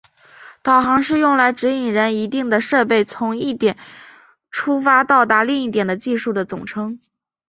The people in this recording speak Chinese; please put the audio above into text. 导航是用来指引人一定的设备从一点出发到达另一点的技术的总称。